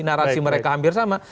narasi mereka hampir sama